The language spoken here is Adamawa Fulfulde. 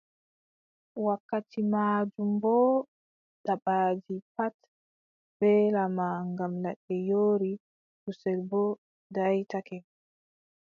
Wakkati maajum boo, dabbaaji pat mbeelaama ngam ladde yoori, kusel boo daaytake.